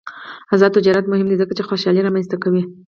آزاد تجارت مهم دی ځکه چې خوشحالي رامنځته کوي.